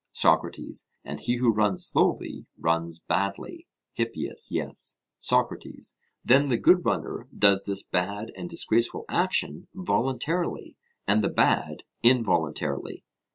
SOCRATES: And he who runs slowly runs badly? HIPPIAS: Yes. SOCRATES: Then the good runner does this bad and disgraceful action voluntarily, and the bad involuntarily?